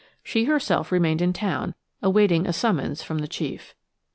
She herself remained in town, awaiting a summons from the chief.